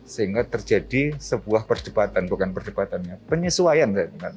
sehingga terjadi sebuah perdebatan bukan perdebatannya penyesuaian